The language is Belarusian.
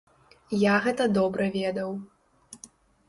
Я гэта добра ведаў.